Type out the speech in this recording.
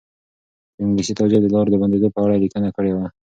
یو انګلیسي تاجر د لارو د بندېدو په اړه لیکنه کړې ده.